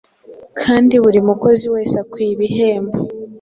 Kandi buri mukozi wese akwiriye ibihembo.